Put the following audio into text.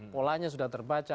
polanya sudah terbaca